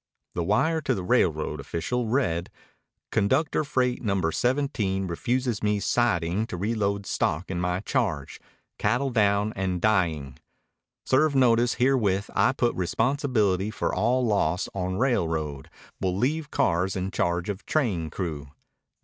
The wire to the railroad official read: Conductor freight number 17 refuses me siding to reload stock in my charge. Cattle down and dying. Serve notice herewith I put responsibility for all loss on railroad. Will leave cars in charge of train crew.